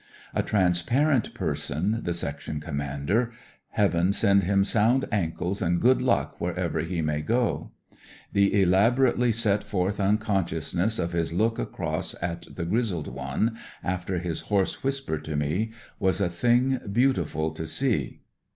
A transparent person, the section commander — ^Heaven send him sound an kles and good luck wherever he may go I The elaborately set forth unconiciousness of his look across at the grizzled one, after his hoarse whisper to me, was a thing beautiful to see.